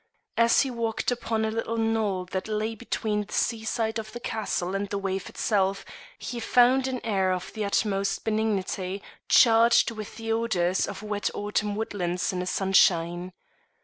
As he walked upon a little knoll that lay between the seaside of the castle and the wave itself, he found an air of the utmost benignity charged with the odours of wet autumn woodlands in a sunshine.